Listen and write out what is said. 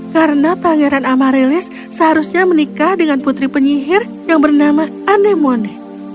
karena pangeran amaryllis seharusnya menikah dengan putri penyihir yang bernama anemone